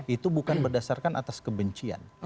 itu bukan berdasarkan atas kebencian